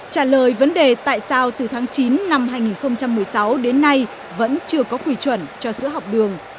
trả lời vấn đề tại sao từ tháng chín năm hai nghìn một mươi sáu đến nay vẫn chưa có quy chuẩn cho sữa học đường